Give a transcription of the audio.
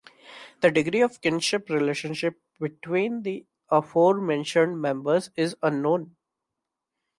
The degree of kinship relations between the aforementioned members is unknown.